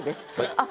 あっ